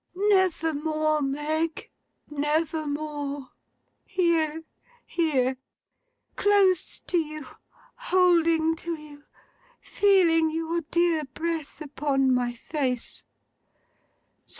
'Never more, Meg; never more! Here! Here! Close to you, holding to you, feeling your dear breath upon my face!